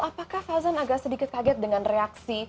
apakah fauzan agak sedikit kaget dengan reaksi